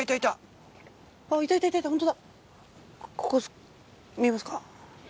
ここ見えますか？